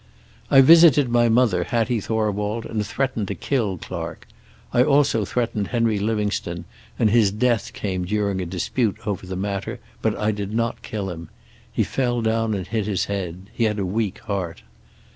"I visited my mother, Hattie Thorwald, and threatened to kill Clark. I also threatened Henry Livingstone, and his death came during a dispute over the matter, but I did not kill him. He fell down and hit his head. He had a weak heart.